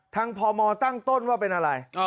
พมตั้งต้นว่าเป็นอะไร